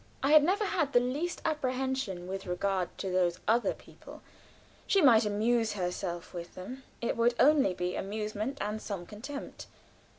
I had never had the least apprehension with regard to those other people; she might amuse herself with them; it would only be amusement, and some contempt.